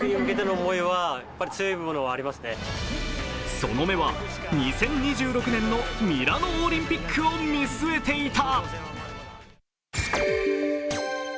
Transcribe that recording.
その目は、２０２６年のミラノオリンピックを見据えていた。